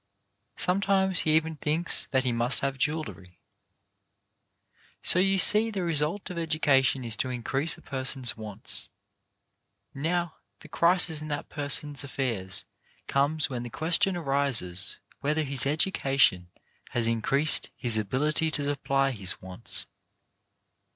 Sometimes he even thinks that he must have jewellery. 239 2 4 o CHARACTER BUILDING So you see the result of education is to increase a person's wants. Now, the crisis in that person's affairs comes when the question arises whether his education has increased his ability to supply his wants.